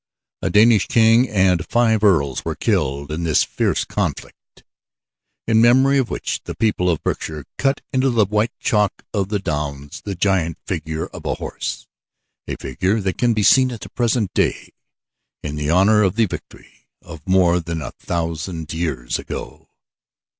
A Danish king and five earls were killed in this fierce conflict, in memory of which the people of Berkshire cut into the white chalk of the downs the giant figure of a horse a figure that can be seen at the present day in honor of the victory of more than a thousand years ago.